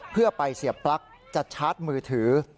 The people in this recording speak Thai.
เพื่อไปเสียปลั๊กจะชาร์จมือถือ